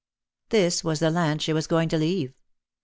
This was the land she was going to leave.